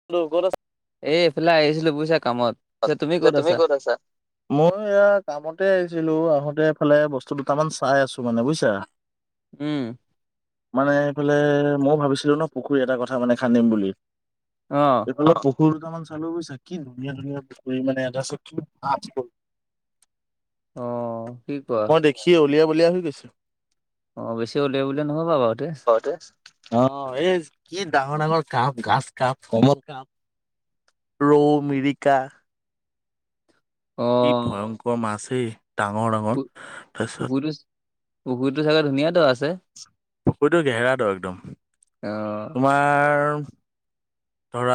[unintelligible] এ এইফালে আহিছিলো বুজিছা কামত তুমি ক'ত আছা মই এয়া কামতে আহিছিলো আহোঁতেফালে বস্তু দুটামান চাই আছো মানে বুজিছা [unintelligible] উম মানে এইফালে ময়ও ভাবিছিলো ন পুখুৰী এটা কথা মানে খান্দিম বুলি অ' এইাল পুহুৰ দুটামান চালো গৈছা কি ধুনীয়া ধুনীয়া মান এ চ আজ অ', কি কোৱা সি উলিয়া বলিয়া হৈ গৈছে অ', বেছি ওিয়াই বুলি নহয়বা বাৰুঁতে দে অ', এই কি ডাঙৰ ডাঙৰ কাপ গচ কাপ কল কাপ ৰৌ মিৰিকা অ কি ভয়ংকৰ মাছ হ ডাঙৰ ডাঙৰ তাৰপিছত পুকুৰটো পুকুৰটো চাগৈ ধুনীয়াাতো আছে পুকুৰীটো ঘেহেৰাটো একদম অ', তোমাৰ ধৰা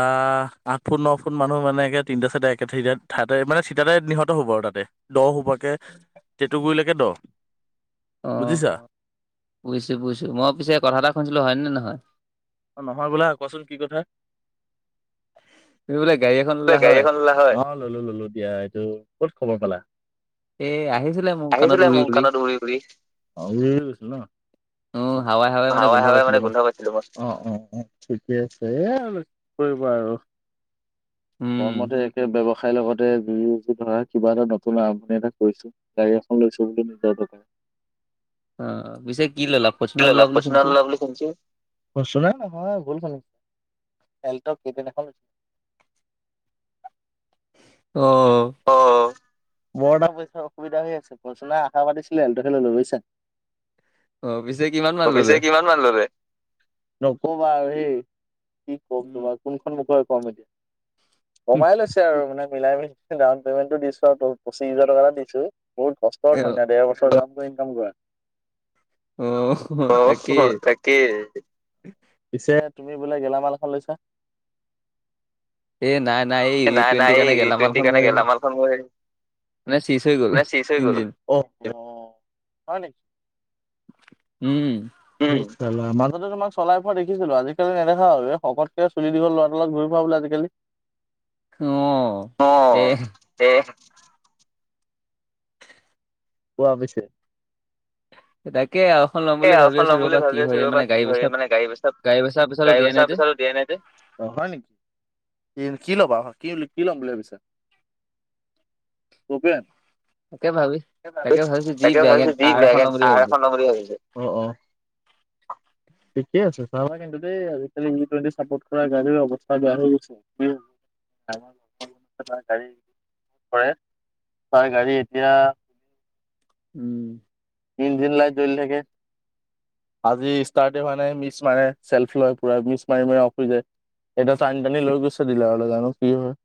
আঠ ফুট ন ফুট মানুহ মানে একে তিনিটা চাৰিটা একেি ঠাইতে মানে চিটাতে নিহত হ'ব আৰু তাতে দ হোপাকে টেঁটুগুৰিলৈকে দ বুজিছা অ', বুজিছোঁ বুজিছোঁ মই পিছে কথা এটা শুনিছিলোঁ হয়নে ন নহয় অ', নহয় বোলা কচোন কি কথা তুমি বোলে গাড়ী এখন বোলে ললা গাড়ী হয় এখন ওলা অ', ললো ললো দিয়া এইটো ক'ত খবৰ পালা এ আহিছিলে মোৰ কাণত আহিছিলে উৰি মোৰ কানত উৰি উৰি উৰি গৈ ন অ হাৱাই মানে হাৱাই গোন্ধ হাৱাই পাইছিলো মানে মই গোন্ধা অ', অ', ঠিকে আছে এ আৰু কৰিব আৰু উম কৰ্মতে একে ব্যৱসায় খাই লগতে বি ধৰা কিবা এটা নতুন আৰম্ভণি এটা কৰিছো গাড়ী এখন লৈছো ব বুলি নিজৰ দকাৰে অ', পিছে কি ললা ফৰ্চুনাৰ ললা [unintelligible] বুলি শুনিছো নহয় ভুল শুনিচা আলটো কেতেন এখন অ' অ', মোৰ এটা পইচা অসুবিধা হৈ আছে পচনা আশা পাতিছিলেহেনতো খে ললো বুজছা অ', পিছে কিমান মান পিছে ললে কিমান ললে নকবা সেই কি কম উম তোমাৰ কোনখন মুখে কম এতিয়া সোমাই লৈছে আৰু মানে মিলাই মিলি ডাউন পেমেণ্টো দিছো আৰু পচিশ হাজ টকা এটা দিছো বহুত অ কষ্টৰ ধনীয়া ডৰ বছৰাম ইনকাম কৰা অ তাকেই অ', তাকেই পিছে তুমি বোলে গেলামাল এখন লৈছা এ নাই নাই এই ই টুৱেণ্টিৰ কাৰণে মোৰ সেইকাৰণে হেৰি গেলামালখন ম মানে চিজ হৈ গ'ল মানে শেচ হৈ গল ইঞ্জিন হয় নেকি? [inaudible] উম মাজতে তোমাক চলাই পোৱা দেখিছিলো আজিকালি নেদেখা আৰু এই শকতকে চুলি দীঘল ল'ৰা অ', লগ ঘূৰি পাবোলৈ আজিকালি অ', এ দে কোৱা পিছে তাকে আৰু এখন ল'ম তাকে, বুলি আও ভাবি এখন আছো ল'ম বুলি ৰ'বা কি ভাবি আছো হয় ৰবা, মানে কি গাড়ী হয় বেচা মানে গাড়ী বেচা, গাড়ী বেচা পইচাটো গাড়ী দিয়া বেচা নাই যে পইচাটো দিয়াই নাই যে, অ', হয় নেকি! কি কি ল'বা কি কি লম বুলি ভাবিছা? ভূপেন? তাকে ভাবি তাকে ভাবিছো [unintelligible] যি তাকে ভাবিছো বেগেন যি আৰ এখন বেগে ল'ম বুলি থাৰ ভাবিছো এখন লম বুলি ভাবিছোঁ। অ', অ'। ঠিকে আছে। চাবা কিন্তু দেই, আজিকালি ই টুৱেণ্টি চাপৰ্ট কৰা গাড়ীৰ অৱস্থা বেয়া হৈ গৈছে। উ, [unintelligible] গাড়ী। কৰে। তাৰ গাড়ী এতিয়া উ। ইঞ্জিন লাই জ্বলি থাকে। আজি ষ্টাৰ্টে হোৱা নাই মিছ মাৰে, চেল্ফ লয় পোৰা, মিছ মাৰি মাৰি অফ হৈ যায়। সেইদিনা টানি টানি লৈ গৈছে ডিলাৰলৈ জানো, কি হয়!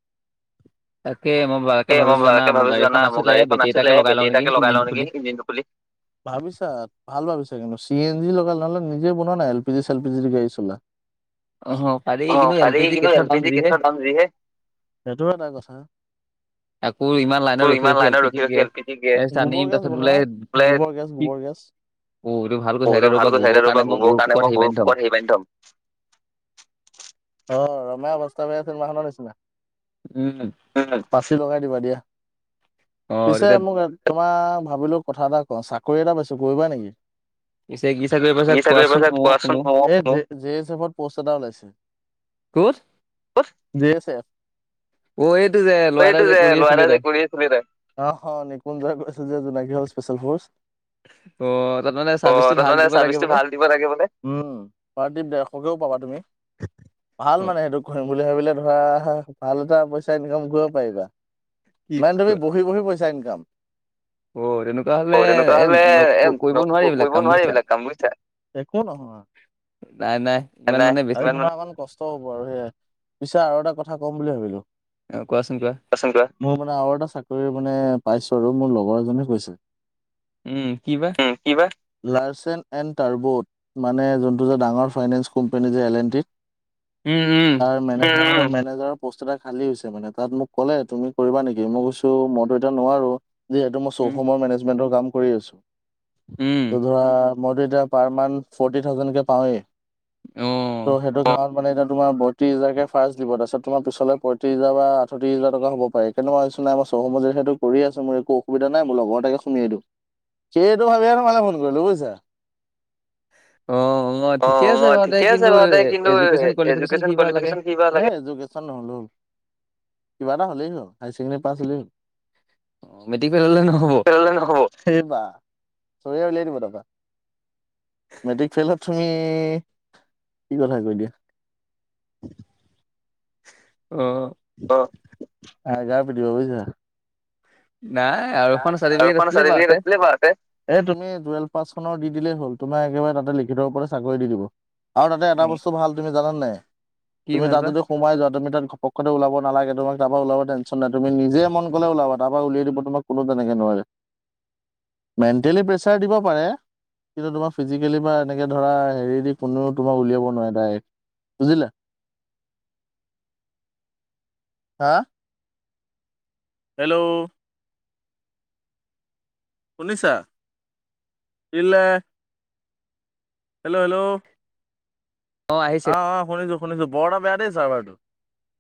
তাকে মই তাকে এ, মই ভাবিছো জানা বেয়াকে মোৰ ভাবিছো গাড়ী জানা, এখন মোৰ আছিলে গাড়ী এখন বেটেৰী এটাকে আছিলে, লগাই লওঁ বেটেৰী নেকি এটাকে লগাই ইঞ্জিনটো লওঁ নেকি! খুলি ইঞ্জিন টো খুলি। ভাবিছা, ভাল ভাবিছা কিন্তু, চি এন জি লগা নহ'লে নিজে বনোৱা না এল পি জি চেল পি জিৰ গাড়ী চলা। অ', পাৰি অ', কিন্তু এল পাৰি। পি জি কিন্তু গেছৰ এল পি দাম জি যিহে গেছৰ দাম যিহে। সেইটো এটা কথা। আকৌ ইমান লাইনত কৌ, ৰখি ইমান এল লাইনত পি জি ৰখি ৰখি এল পি জি গেছ, আনিম গোবৰ গেছ তাৰপিছত বোলে বনোৱা। [unintelligible] গেছ, কি গোবৰ গেছ। অ', এইটো ভাল কৈছা এতিয়া গৰুতো ৰ'বা ভালকৈ গোবৰৰ চাইদৰ কাৰণে পৰা মই গোবৰ গৰুৰ কাৰণে পুকৰত হেৰি মই বান্ধি গৰু থ'ম [unintelligible] হেৰি বান্ধি থম। অ', ৰমা অৱস্থা বেয়া চিনেমা খনৰ নিচিনা। উ, উ। উ, উ। পাচি লগাই দিবা দিয়া। অ পিছে তেতিয়া মোক তোমাৰ ভাবিলো কথা এটা কওঁ, চাকৰি এটা পাইছো কৰিবা নেকি? পিছে কি চাকৰি [unintelligible] কি চাকৰি পাইছা মইও শুনো কোৱাছোন ময়ো শুনো। এ বি এচ এফত পষ্ট এটা ওলাইছে। ক'ত ক'ত? B S F. অ এইটো যে অ', ল'ৰা এটা এইটো যে কৰি ল'ৰা আছিলে এটাই যে তাই কৰি আ [unintelligible] অহ হ নিকুঞ্জয় কৈছিল যে জোনাকী হাউচ স্পেচিয়েল ফৰ্চ। অ তাত মানে অ', চাৰ্ভিচটো ভাল তাতমানে দিব লাগে চাৰ্ভিচটো বোলে ভাল দিব লাগে বোলে। উ, পাৰ দেত ডেৰশ কেও পাবা তুমি। ভাল অ মানে সেইটো কৰিম বুলি ভাবিলে, ধৰা ভাল এটা পইচা ইনকাম কৰিব পাৰিবা। কি মানে তুমি কোৱা? বহি বহি পইচা ইনকাম। অ তেনেকুৱা হলে অ', তেনেকুৱা হ'লে, নক এ, কৰিব ন নোৱাৰি এইবিলাক ক-কৰিব কাম নোৱাৰি বুজিছা এইবিলাক কাম বুইছা। একো নহয়। নাই নাই ইমান এনে মানে বেছি কিমান, [unintelligible] কষ্ট। কষ্ট হ'ব আৰু সেয়াই। পিছে আৰু এটা কথা কম বুলি ভাবিলো। অ', কোৱাচোন কোৱা। কোৱাচোন কোৱা। মোৰ মানে আৰু এটা চাকৰি মানে পাইছো আৰু মোৰ লগৰ এজনে কৈছে। উ, কি বা? কি বা? Larsen and Toubro. মানে জোনটো যে ডাঙৰ ফাইনেন্স কোম্পানী যে এল এন টিত। উ, উ। তাৰ মেনেজাৰৰ মেনেজাৰৰ পষ্ট এটা খালী হৈছে মানে তাত মোক ক'লে, তুমি কৰিবা নেকি মই কৈছো ত' মইতো এতিয়া নোৱাৰো, যিহেতু মই উম চৌহমৰ মেনেজমেন্টৰ কাম কৰি আছো। উ। ত ধৰা মইতো এতিয়া পাৰ মান্থ ফৰ্টি থাউজেণ্ড কে পাওঁৱেই। অ ত' সেইটো কাৰণত মানে এতিয়া তোমাৰ ব ত্ৰিছ হাজাৰকে ফাৰ্ষ্ট দিব। তাইছত তোমাৰ পিছলৈ পঁয়ত্ৰিশ হাজাৰ বা আঠত্ৰিশ হাজাৰ টকা হ'ব পাৰে। সেইকাৰণে মই ভাবিছো নাই মই চৌহমত যিহেতু কৰি আছো মোৰ একো অসুবিধা নাই, মোৰ লগৰ এটাকে সোমিয়াই দিওঁ। সেইটো ভাবিয়ে তোমালে ফোন কৰিলো বুজিছা? অ [inaudible] অ', ঠিকে আছে অ', বাৰু দে ঠিকে আছে কিন্তু বাৰু দে কিন্তু, এডুকেশ্যন কোৱালিফিকেশ্যন এডুকেশ্বন কি বা লাগে কোৱালিফিকেচন কি? কিবা লাগে? হে এডুকেশ্বন নহ'লেও হ'ব। কিবা এটা হ'লেই হ'ল, হাইয়াৰ ছেকেণ্ডৰী পাছ হ'লেই হ'ল। মেট্ৰিক ফেল হ'লে নহ'ব? নহব এইব চৰিয় উলিয়াই দিব তাৰপৰা মেট্ৰিক ফেইলত তুমি কি কথা কৈ দিয়া অ', আহ গা পিটিব বুজিছা ন [unintelligible] [unintelligible] বাৰতে এই তুমি টুৱেল্ভ পাছখনৰ দি দিলেই হ'ল তোমাৰ একেবাৰে তাতে লিখিতৰ ওপতে চাকৰি দি দিব। আৰু তাচে এটা বস্তু ভাল তুমি জানান নে কি তুমি ভাল তাত বা যদি সোমাই যোৱা তম তাত পক্ষ ও নালাগে তম তাৰ ওাব টন নাই তুম নিজে মন'লে ওলাব তাৰ পৰা উলিয়াই দিব তোমাক কোনো তেনেকে নোৱাৰে মেণ্টেলি প্ৰেচাৰ দিব পাৰে কিন্তু তোমাৰ ফিজিকেলি বা এনেকে ধৰা হেৰি দি কোনেও তোমাক উলিয়াব নোৱাৰে ডাইৰেক্ট বুজিলে হা হেল্ল' শুনিছা হেল্ল' হেল্ল' অ', আহ অ', শুনিছো, শুনিছো, বৰ এটা বেয়া দেই চাৰ্ভাৰটো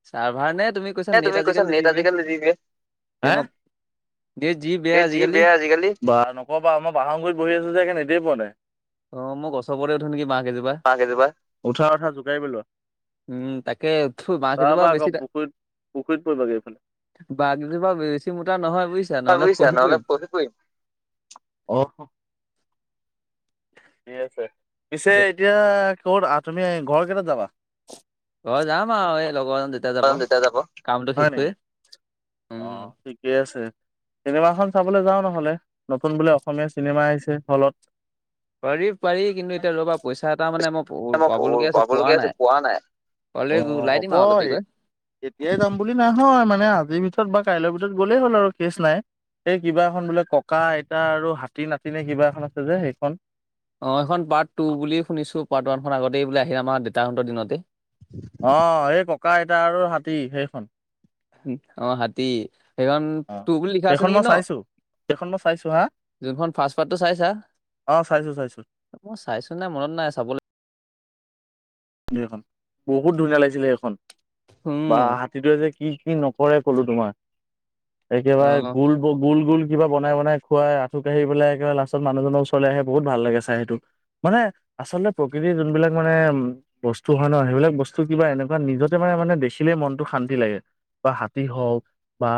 চাৰ্ভাৰ নে তুমি কৈছা এ নেট তুমি কৈছা, আজিকালি নেট বেয়া আজিকালি যি এই মই নেট যি বেয়া এ যি আজিকালি বেয়া আজিকালি বা নকবা মই বাহৰ গুৰিত বহি আছো যে নেতে পোৱা নাই অ', মই গছৰতে উঠো নেকি বাঁহ কেইজোপা কেইজোপা উঠা উঠা জোকাৰি পেলোৱা উম তাকে থু বাঁহ কেইজোপা তাৰপৰা, বেছি আকৌ পুখুৰীত পুখুৰীত পৰিব গে এফালে বাহ কেজোপা বেছি মুটা নহয় বুজিছা নহ'লে পৰি নহলে পৰিম খহি পৰী আহ ঠিক আছে পিছে এ এতিয়া কত আহ তুমি ঘৰ কেইটাত যাবা ঘৰ যাম আৰু, লগৰ আহিলে তেতিয়া যাব হয় নেকি অ' উম ঠিকে আছে চিনেমাখন চাবলৈ যাওঁ নহলে নতুন বোলে অসমীয়া চিনেমা আহিছে হলত পাৰি পাৰি কিন্তু এতিয়া ৰ'বা পইচা এটা মানে মই পাবলগীয়া আছে পোৱা নাই হলে অ ওলাই দিম আৰু হ'ব দেৰিকৈ এতিয়াই যাম বুলি নহয় মানে আজিৰ ভিতৰত বা কাইলৈৰ ভিতৰত গ'লেই হ'ল আৰু কেছ নাই এই কিবা এখন বোলে ককা আইতা আৰু হাতী নাতিনে কিবা এখন আছে যে সেইখন অ' এইখন পাৰ্ট টু বুলি শুনিছো পাৰ্ট ওৱানখন আগতেই বোলে আহিম আমাৰ দেউতাহঁতৰ দিনতে অ', এই ককা আইতা আৰু হাতী সেইখন অ', হাতী সেইখন অ তোৰ বুলি লিখা আছে সেইখন নেকি মই ন চাইছো সেইখন মই চাইছো হা যোনখন ফাষ্ট পাৰটো চাইছা অ চাইছো চাইছো মই, চাইছো নাই মনত নাই চাবলৈ বহুত ধুনীয়া লাগিছিলে সেইখন উম বা হাত কি, কি, নকৰে কলো তোমাৰ অ একেবাৰে গোল গোল গোল কিবা বনাইনাই খুৱাই আঁঠ কাঢ়ি পেলাইে লাষ্টত মানুহজনৰ ওচৰলৈ আহে বহুত ভাল লাগে চাই। মানে আচলতে প্ৰকৃতিৰ যোনবিলাক মানে বস্তু হয় ন সেইবিলাক বস্তু কিবা এনেকুৱা নিজতে মানে মানে দেখিলে মনটো শান্তি লাগে বা হাতী হওক বা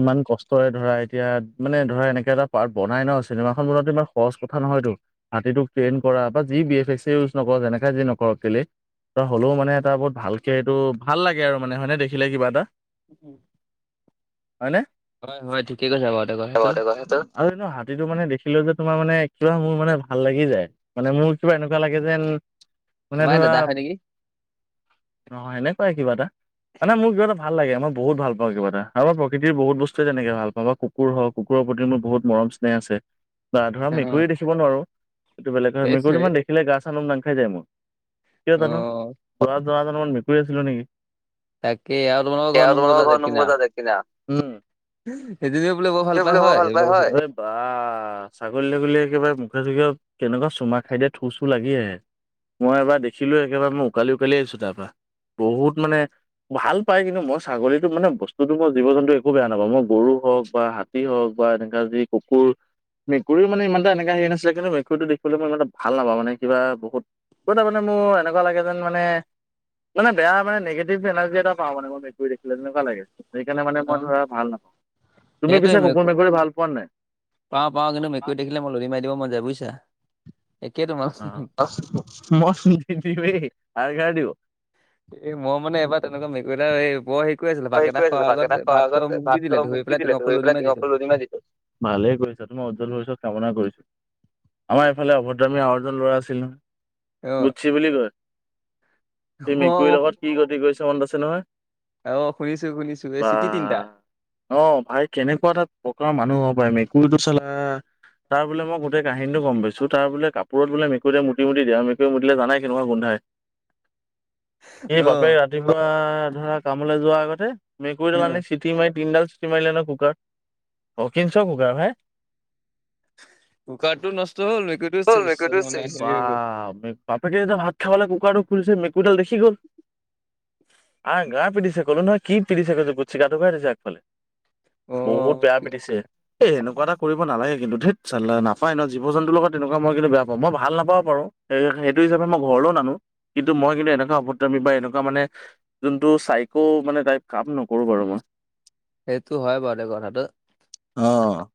ইমান কষ্টৰে ধৰা এতিয়া মানে ধৰা এনেকে এটা পাৰ্ট বনাই ন চিনেমাখন বনুৱাটো ইমান সহজ কথা নহয়তো হাতীটোক ট্ৰেইন কৰা বা যি বিফ ইউজ নক যেনেকে যি নকৰক হ'লেও মানে এটা বহুত ভালকে এইটো ভাল লাগে আৰু মানে হয়নে দেখিলে কিবা এটা উম [inaudible] হয়নে হয়, হয় ঠিকে কৈছা বাৰু, দে কয় সেইটো আগতে কথাটো। আৰু নো হাতীটো মানে দেখিলো যে তোমাৰ মানে কিবা মোৰ মানে ভাল লাগি যায় মানে মোৰ কিবা এনেকুৱা লাগে যেন মানে তোমাৰ ধৰা দাদা হয় নেকি নহয় এনেকুৱাই কিবা এটা মানে মোৰ কিবা এটা ভাল লাগে মই বহুত ভালা কিবা এ আৰু মই প্ৰকৃতি বহুতো বস্তুে তেনেক ভাল পাওঁ বা কুকুৰ হওক কুকুৰৰ প্ৰতি মোৰ বহুত মৰম স্নেহ আছে বা ধৰা অ মেকুৰী দেখিব নোৱাৰো এইটো বেলেগ ধৰ মেকুৰীটো সেইটোৱেই ইমান দেখিলে গা চা নোম দাং খাই যায় মোৰ কিয় অ জানো যোৱা জনমত মেকুৰী আছিলো নেকি তাকে আৰু তোমালোকৰ ঘৰত নোম গজা [unintelligible] সেইজন বোলে বৰ ভাল পায় হয় এইবিলাক বস্তু বা ছাগলী ছাগলীয়ে একেবাৰে মুখে চুখে কেনেকুৱা চুমা খাই দিয়ে থু চু লাগি আহে মই এবাৰ দেখিলো একেবাৰে মই উকালি উকালি আহিছো তাৰ পৰা বহুত মানে ভাল পাই কিন্তু মই ছাগলীতো মানে বস্তুতো মই জীৱ জন্তু একো বেয়া নাপাওঁ মই গৰু হওক বা হাতী হওক বা এনেকা যদি কুকুৰ মেকুৰী মানে ইমান এনেকা হেৰি নাছিল কিন্তু মেুৰীটো দেখিবলৈ মই ইমানটা ভাল নাপা মানে কিবা বহুত তাৰমানে মোৰ এনেকুৱা লাগে যেন মানে মানে বেয়া মানে নিগেটিভ এনাৰজি এটা পাও মানে মেকুৰি দেখিলে তেনেকুৱা লাগে সেইকাৰণে মানে অ মই ধৰা ভাল নাপাওঁ তুমি পিছো কুকুৰ মেকুৰী ভাল পোৱা নাই পাও পাও কিন্তু মেকুৰি দেখিলে মোৰ লদী মাৰি দিব মন যায় বুজিছা একে তোমা [unintelligible] এই মই মানে এবাৰ তেনেকা অ', হেৰি কৰি আছিলো ভাতকেইটা খোৱাৰ আগত দিলে ভাতটো ধৰি মোক দি পেলাই দিলে টিঙৰ পৰা লৰি ভালে মাৰি কৰিছা দিলো তোমাৰ উজ্জ্বল ভৱিষ্যত কামনা কৰিছো। আমাৰ ইফালে অভদ্ৰামী আৰু এজন ল'ৰা আছিল নহয়। অ গুটছি বুলি কয়, সি অ মেকুৰীৰ মই লগত কি গতি কৰিছে মনত আছে নহয়। অ', শুনিছো শুনিছো। এই বা, চিটি তিনিটা অ', ভাই কেনেকুৱা এটা প্ৰকাৰৰ মানুহ হ ব পাৰে মেকুৰীটো চালা। তাৰ বোলে মই গোটেই কাহিনটো গম পাইছো তাৰ বোলে কাপোৰত বোলে মেকুৰীয়ে মুতি মুুতি দিয়ে আৰু মেকুৰী মুতিলে জানাই কেনেকুৱা গোন্ধাই। সে বাপেক ৰাতিপুৱা ধৰা কামলৈ যোৱাৰ আগতে মেকুৰীডাল অ আনি চিটি মাৰি তিনডাল চিটি মাৰিলে ন কুকাৰত, অক্ষিঞ্চ কুকাৰ হে কুকাৰটো নষ্ট হ'ল মেকুৰীটো চেচ মানে হেৰি হৈ গ'ল [unintelligible] বাপেকে যেতিয়া ভাত খাবলে কুকাৰ টো খুলিছে মেকুৰীডাল দেখি গল। আ কি পিতিছে গুৎসুক আঁঠু কঢ়াই থৈছে আগ ফালে বহুত অ' বেয়া পিন্ধিছে। এই সেনেকুৱা এটা কৰিব নালাগে কিন্তু ঠেটহ চালা নাপায় ন জীৱ-জন্তুৰ লগত তেনেকুৱ মই কিন্তু বেয়া পাওঁ মই ভাল নাপাবও পাৰো। সে সেইটো হিচাপে মই ঘৰলৈও নানো, কিন্তু মই কিন্তু এনেকুৱা অপদত্ৰমী বা এনেকুৱা মানে এইটো চাইকো মানে তাই কাম নকৰো বাৰু মই। সেইটো হয় বাৰু দে কথাটো। অ'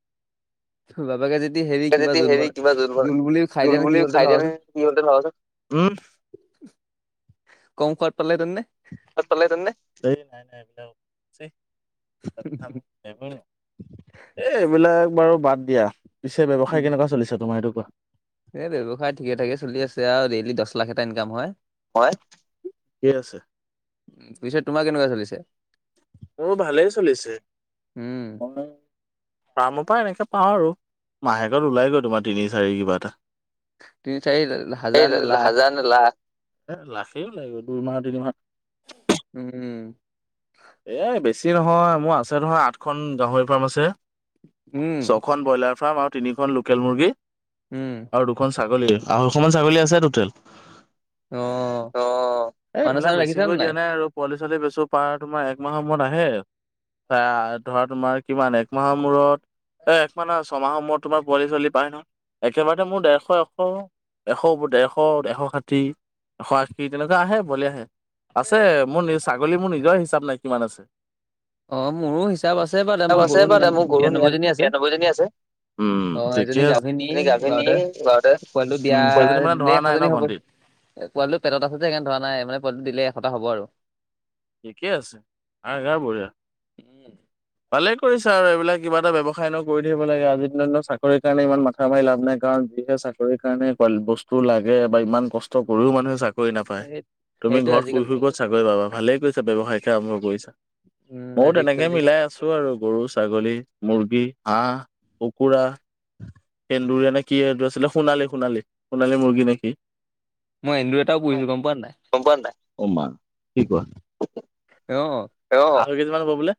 তোৰ বাপাকে যদি হেৰি কিবা যদি জোল ব হেৰি কিবা বনাই জোল বুলি খাই জোল দিয়া বুলি হয় খাই দিয়া ভাবাচোন। নহয় কি হ'লহেঁতেন ভাবাচোন। উম। কম খোৱাদ পালে হেতেন নে। [inaudible] এ এইবিলাক বাৰু বাদ দিয়া, পিছে ব্যৱসায় কেনেকুৱা চলিছো তোমাৰ এইটো কোৱা। এ ব্যৱসায় ঠিকে-ঠাকে চলি আছে আৰু ডেইলি দশ লাখ এটা ইনকাম হয়। হয়, ঠিক আছে। উম পিছত তোমাৰ কেনেকুৱা চলিছে। মোৰ ভালেই চলিছে উম ফ্ৰামৰ পৰা এনেকে পাওঁ আৰু, মাহেকত ওলাই গৈ তোমাৰ তিনি-চাৰি কিবা এটা। তিনি-চাৰি এই হাজাৰ নে লাখ। হাজাৰ লাখ, এ লাখেই লাগিব দুইমাহ তিনিমাহ উম। এ বেছি নহয় মোৰ আছে নহয় আঠখন গাহৰি ফাৰ্ম আছে। উম ছখন ব্ৰইলাৰ ফাৰ্ম আৰু তিনিখন লোকেল মুৰ্গী। উম। আৰু দুখন ছাগলী আৰু এখমান ছাগলী আছে টুটেল। অ অ এই মানুহ এইবিলাক চানুহ ৰাখিছা নে বেছিকৈ দিয়া নাই আৰু পোৱালি ছোৱালি লৈছো পাৰ তোমাৰ একমাহৰ মূৰত আহে, ধৰা তোমাৰ কিমান একমাহৰ মূৰত [unintelligible] ছমাহৰ মূৰত তোমাৰ পোৱালি ছোৱালী পায় ন। একেবাৰতে মোৰ ডেৰশ এশ, এশ, ডেৰশ, এশ ষাঠি। [unintelligible] আছে মোৰ নি ছাগলী মোৰ নিজৰ হিচাপ নাই কিমান আছে। অ মোৰো হিচাপ আছে বাৰ দা মোৰ আছে গৰু নিৰা বাৰু মোৰ গৰু নিৰান্নব্বৈ জনী আছে। বিৰান্নব্বৈজনী আছে। উম অ ঠিকে এজনী আছে। গাভিনী গাভিনী বাৰুতে, বাৰুতে পোৱালিটো দিয়া উম সেইজনী মানে দিল ধৰা নাই ন এশজনী হব গন্তিত পোৱালিটো পেটত আছে যে সেইকাৰণে ধৰা নাই মানে পোৱালিটো দিলে এশটা হ'ব আৰু। ঠিকে আছে, আ হা বঢ়িয়া, উম, পালে কৰিছে আৰু এইবিলাক কিবা এটা ব্যৱসায় নো কৰি থৰি লাগে আজিৰ দিনত চাকৰি কাৰণে ইমান মাথা মাৰি লাভ নাই কাৰণ যিহে চাক চাকৰিৰ কাৰণে কোৱ বস্তু লাগে বা ইমান কষ্ট কৰিও মানুহে চাক কৰি নাপায় সেই তুমি সেইটোৱে ঘৰত শুই আজিকালি শুই ক'ত ছাগলৰি পাবা ভালে ্য়ৱসায়ে আৰম্ভ কৰিছা উম ময়ো তেনেকে আজিকালি মিলাই খাই আছো আৰু গৰু ছাগলী মুৰ্গী হাঁহ কুকুৰা েন্দুুৰ নে কি এই আছিল সোণালী সোণালী সোণালী মুৰ্গী নেকি মইন্দুৰ এটাও প়িো গম পোৱা নাই কপ োৱা অ অ আ কেই মান হব বোলে